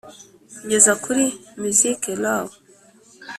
kugeza kuri music row